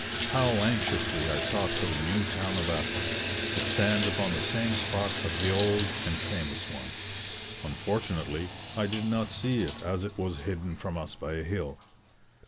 How anxiously I sought for the new town of Athens it stands upon the same spot as the old and famous one. Unfortunately, I did not see it, as it was hidden from us by a hill.